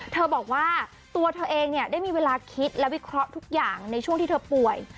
เธอบอกว่าตัวเธอเองเนี่ยได้มีเวลาคิดและวิเคราะห์ทุกอย่างในช่วงที่เธอป่วย